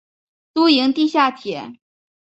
都营地下铁